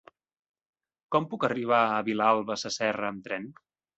Com puc arribar a Vilalba Sasserra amb tren?